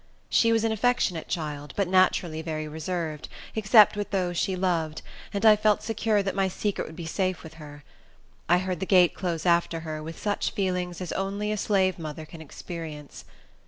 She was an affectionate child, but naturally very reserved, except with those she loved, and I felt secure that my secret would be safe with her. I heard the gate close after her, with such feelings as only a slave mother can experience.